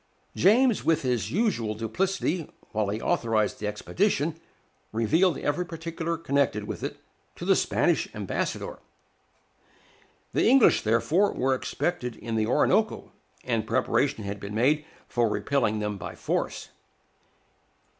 James, with his usual duplicity, while he authorized the expedition, revealed every particular connected with it to the Spanish ambassador. The English, therefore, were expected in the Orinoco, and preparation had been made for repelling them by force.